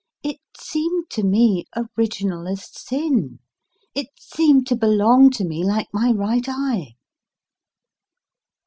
It seemed to me original as sin ; it seemed to belong to me like my right eye.